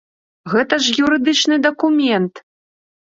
Гэта ж юрыдычны дакумент.